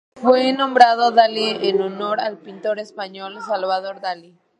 Fue nombrado Dali en honor al pintor español Salvador Dalí.